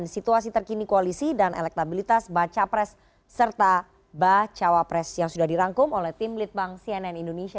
dan situasi terkini koalisi dan elektabilitas baca pres serta bacawa pres yang sudah dirangkum oleh tim lipan cnn indonesia